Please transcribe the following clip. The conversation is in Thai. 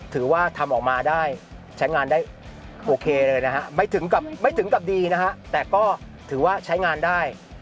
ถือว่าทำออกมาได้ใช้งานได้โอเคเลยนะฮะไม่ถึงกับไม่ถึงกับดีนะฮะแต่ก็ถือว่าใช้งานได้